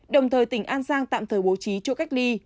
đồng thời tỉnh an giang tạm thời bố trí chỗ cách ly